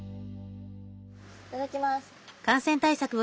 いただきます。